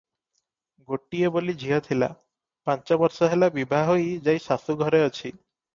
ଗୋଟିଏ ବୋଲି ଝିଅ ଥିଲା, ପାଞ୍ଚ ବର୍ଷହେଲା ବିଭା ହୋଇ ଯାଇ ଶାଶୁଘରେ ଅଛି ।